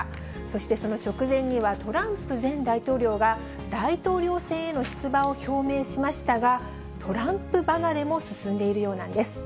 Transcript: そしてその直前には、トランプ前大統領が大統領選への出馬を表明しましたが、トランプ離れも進んでいるようなんです。